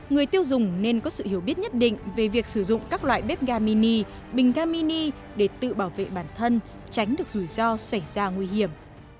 người tiêu dùng nên có sự hiểu biết nhất định về việc sử dụng các loại bếp ga mini bình ga mini để tự bảo vệ bản thân tránh được rủi ro xảy ra nguy hiểm